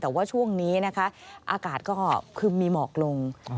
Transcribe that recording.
แต่ว่าช่วงนี้นะคะอากาศก็คือมีหมอกลง